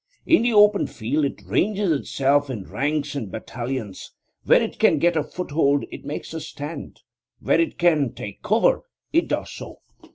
In the open field it ranges itself in ranks and battalions; where it can get a foothold it makes a stand; where it can take cover it does so.